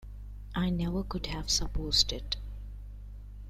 I never could have supposed it.